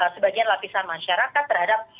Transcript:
sebagian lapisan masyarakat terhadap